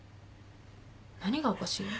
何がおかしいの？